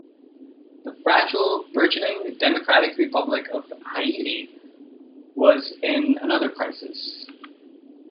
The fragile, burgeoning democratic republic of Haiti was in another crisis.